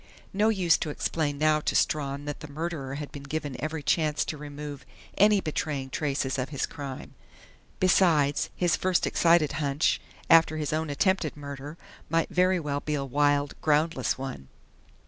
No use to explain now to Strawn that the murderer had been given every chance to remove any betraying traces of his crime. Besides, his first excited hunch, after his own attempted murder, might very well be a wild, groundless one.